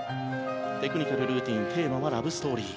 テクニカルルーティンテーマはラブストーリー。